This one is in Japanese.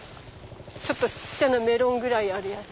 ちょっとちっちゃなメロンぐらいあるやつ。